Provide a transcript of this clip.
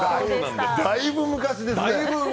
だいぶ昔ですね！